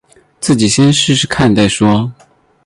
自己先试试看再说